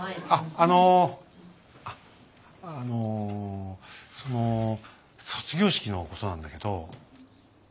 あのあっあのその卒業式のことなんだけど。